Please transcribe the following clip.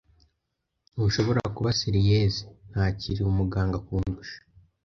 Ntushobora kuba serieux! Ntakiri umuganga kundusha.